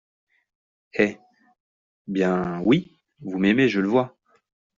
Eh ! bien, oui, vous m'aimez, je le vois.